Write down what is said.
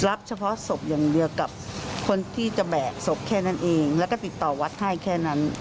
รับเฉพาะศพอย่างเดียวกับคนที่จะแบกศพแค่นั้นเองแล้วก็ติดต่อวัดให้แค่นั้น